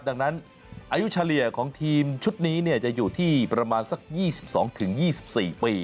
ดังนั้นอายุเฉลี่ยของทีมชุดนี้จะอยู่ที่ประมาณสัก๒๒๒๔ปี